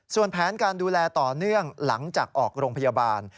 ส่วนแผนการดูแลต่อเนื่องหลังจากออกโรงพยาบาล